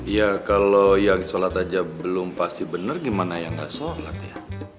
ya kalo yang sholat aja belum pasti bener gimana yang gak sholat ya